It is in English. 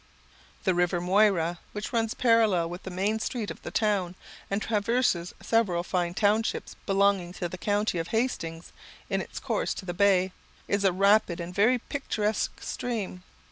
The river Moira, which runs parallel with the main street of the town, and traverses several fine townships belonging to the county of Hastings in its course to the bay, is a rapid and very picturesque stream.